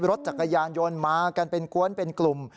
รถจักรยานยนต์มากันเป็นกวนเป็นกลุ่ม